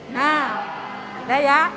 nah ada ya